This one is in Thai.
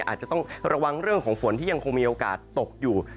อาจจะต้องระวังเรื่องของฝนที่ยังคงมีโอกาสตกอยู่